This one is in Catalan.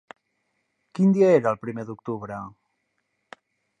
Quin dia era el primer d'octubre?